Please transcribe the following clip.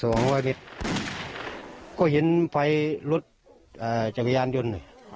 ในตัวงค์บาร์ดเผ็ดก็เห็นฝ่ายรถจัดพยานยนต์